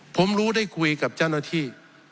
ผมรู้ได้คุยกับเจ้าหน้าที่